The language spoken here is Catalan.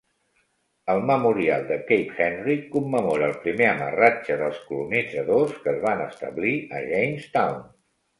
El memorial de Cape Henry commemora el primer amarratge dels colonitzadors que es van establir a Jamestown.